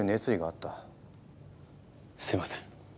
すいません。